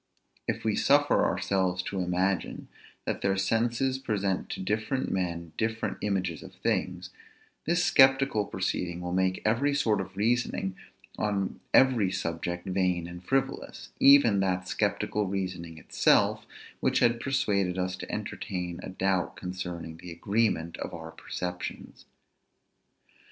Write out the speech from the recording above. If we suffer ourselves to imagine, that their senses present to different men different images of things, this sceptical proceeding will make every sort of reasoning on every subject vain and frivolous, even that sceptical reasoning itself which had persuaded us to entertain a doubt concerning the agreement of our perceptions.